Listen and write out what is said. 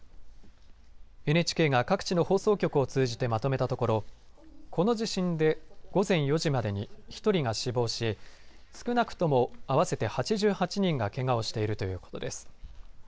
ＮＨＫが各地の放送局を通じてまとめたところこの地震で午前４時までに１人が死亡し少なくとも合わせて８８人がけがをしているということです。